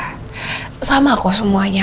kalau ada karyawan lain yang lagi kena musibah